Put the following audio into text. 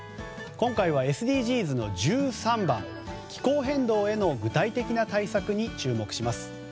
今回はＳＤＧｓの１３番気候変動への具体的な対策に注目します。